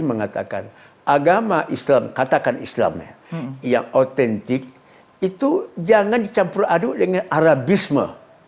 mengatakan agama islam katakan islam yang autentik itu jangan dicampur aduk dengan arabisme